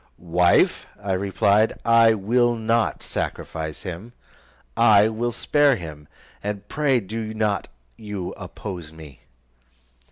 "Wife," I replied, "I will not sacrifice him, I will spare him, and pray do not you oppose me."